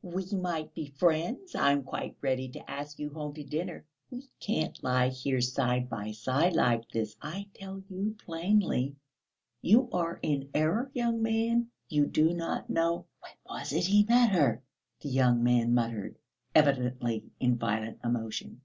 We might be friends; I am quite ready to ask you home to dinner. We can't lie side by side like this, I tell you plainly. You are in error, young man, you do not know...." "When was it he met her?" the young man muttered, evidently in violent emotion.